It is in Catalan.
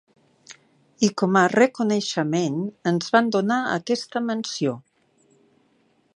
I com a reconeixement ens van donar aquesta menció.